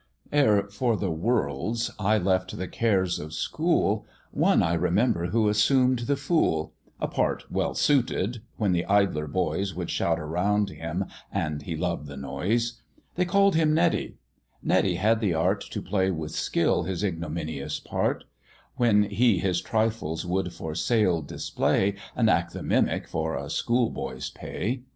Ere for the world's I left the cares of school, One I remember who assumed the fool; A part well suited when the idler boys Would shout around him, and he loved the noise; They called him Neddy; Neddy had the art To play with skill his ignominious part; When he his trifles would for sale display, And act the mimic for a schoolboy's pay.